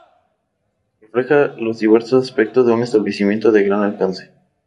Refleja los diversos aspectos de un establecimiento de gran alcance.